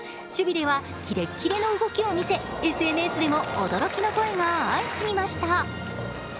守備ではキレッキレの動きを見せ、ＳＮＳでも驚きの声が相次ぎました。